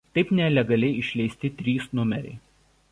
Taip nelegaliai išleisti trys numeriai.